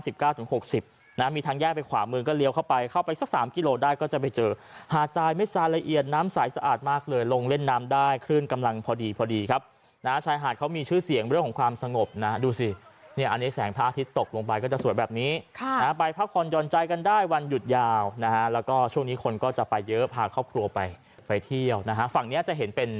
ตรง๑๙ถึง๖๐นะมีทางแยกไปขวามือก็เลี้ยวเข้าไปเข้าไปสัก๓กิโลได้ก็จะไปเจอหาดทรายไม่สารละเอียดน้ำสายสะอาดมากเลยลงเล่นน้ำได้ขึ้นกำลังพอดีพอดีครับนะชายหาดเขามีชื่อเสียงเรื่องของความสงบนะดูสิเนี่ยอันเนี้ยแสงพระอาทิตย์ตกลงไปก็จะสวยแบบนี้ค่ะไปพักคลนยนต์ใจกันได้วันหยุดยาวนะฮะแล้วก็ช